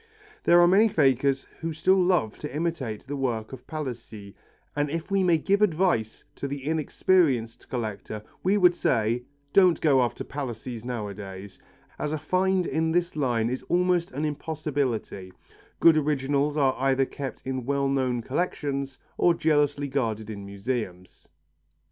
There are many fakers who still love to imitate the work of Palissy, and if we may give advice to the inexperienced collector we would say: "Don't go after Palissys nowadays, as a find in this line is almost an impossibility; good originals are either kept in well known collections or jealously guarded in museums."